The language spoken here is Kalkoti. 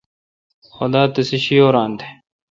خدا تسے°شی۔ اوران تہ۔